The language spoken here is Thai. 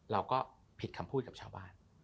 เราก็ผิดคำพูดกับชาวบ้าน